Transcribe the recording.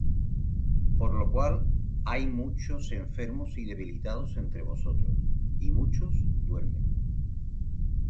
Por lo cual hay muchos enfermos y debilitados entre vosotros; y muchos duermen.